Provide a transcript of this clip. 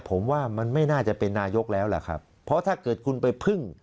ผมว่ามันไม่น่าจะเป็นนายกแล้วล่ะครับเพราะถ้าเกิดคุณไปพึ่ง